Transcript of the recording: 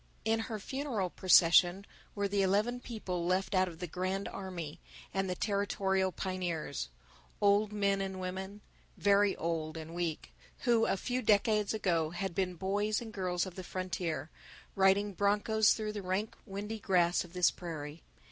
In her funeral procession were the eleven people left out of the Grand Army and the Territorial Pioneers, old men and women, very old and weak, who a few decades ago had been boys and girls of the frontier, riding broncos through the rank windy grass of this prairie.